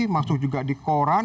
masuk juga di koran